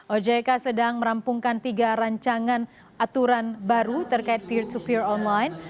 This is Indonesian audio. ojk sedang merampungkan tiga rancangan aturan baru terkait peer to peer online